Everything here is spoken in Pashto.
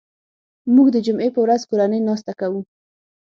موږ د جمعې په ورځ کورنۍ ناسته کوو